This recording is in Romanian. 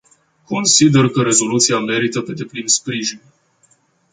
Consider că rezoluția merită pe deplin sprijin.